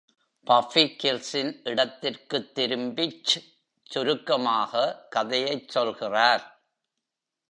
Puffy கில்ஸின் இடத்திற்குத் திரும்பிச் சுருக்கமாக கதையைச் சொல்கிறார்.